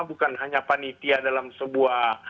bukan hanya panitia dalam sebuah